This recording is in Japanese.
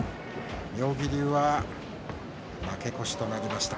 妙義龍は負け越しとなりました。